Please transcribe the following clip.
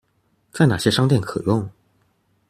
在哪些商店可用